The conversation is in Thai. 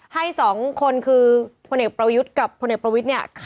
ให้๒คนคือพนประวิทกับพนประวิทเนี่ย